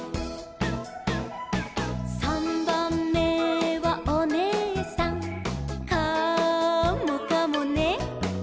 「さんばんめはおねえさん」「カモかもね」